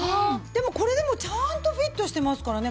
でもこれでもちゃんとフィットしてますからね。